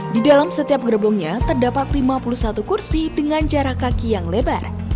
di dalam setiap gerbongnya terdapat lima puluh satu kursi dengan jarak kaki yang lebar